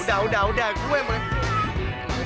udah udah udah gue yang pake